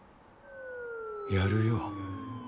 やるよ。